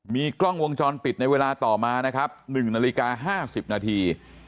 มีกล้องวงจรปิดในเวลาต่อมานะครับหนึ่งนาฬิกาห้าสิบนาที